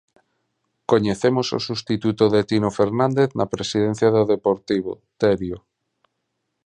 Coñecemos o substituto de Tino Fernández na presidencia do Deportivo, Terio.